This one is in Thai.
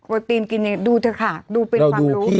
ตีนกินเองดูเถอะค่ะดูเป็นความรู้